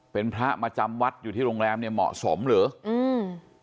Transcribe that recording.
เป็นพระมาจำวัดอยู่ที่โรงแรมเนี้ยเหมาะสมหรืออืม